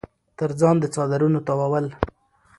تر ځان د څادرنو تاوول